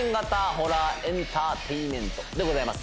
ホラーエンターテインメントでございます